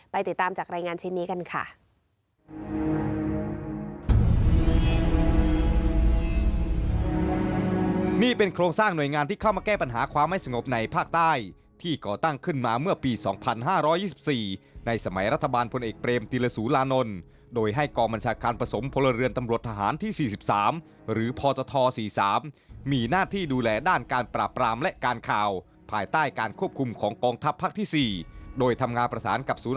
ติดตามจากรายงานชิ้นนี้กันค่ะ